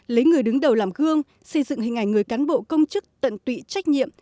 lấy người đứng đầu làm gương xây dựng hình ảnh người cán bộ công chức tận tụy trách nhiệm